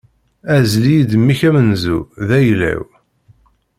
Ɛzel-iyi-d mmi-k amenzu, d ayla-w.